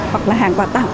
hoặc là hàng quả tạo